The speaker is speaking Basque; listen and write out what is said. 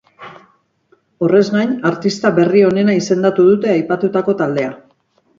Horrez gain, artista berri onena izendatu dute aipatutako taldea.